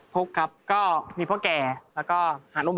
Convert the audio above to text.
พกครับก็มีพ่อแก่แล้วก็อาณุบาลอุปกรณ์